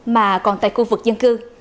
mà còn tại khu vực dân cư